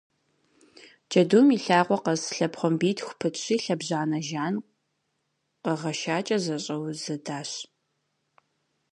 Джэдум и лъакъуэ къэс лъэпхъуамбитху пытщи лъэбжьанэ жан къэгъэшакӏэ зэщӏэузэдащ.